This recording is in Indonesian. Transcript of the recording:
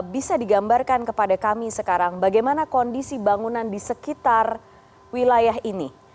bisa digambarkan kepada kami sekarang bagaimana kondisi bangunan di sekitar wilayah ini